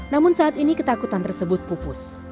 namun saat ini ketakutan tersebut pupus